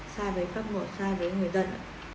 sai với pháp ngộ sai với người dân